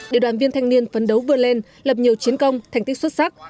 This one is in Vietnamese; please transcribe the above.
để đoàn viên thanh niên phấn đấu vươn lên lập nhiều chiến công thành tích xuất sắc